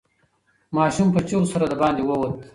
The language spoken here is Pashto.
ماشوم په چیغو سره د باندې ووت.